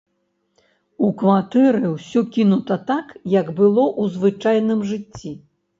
У кватэры ўсё кінута так, як было ў звычайным жыцці.